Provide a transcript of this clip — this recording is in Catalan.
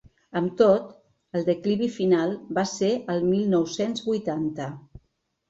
Amb tot, el declivi final va ser el mil nou-cents vuitanta.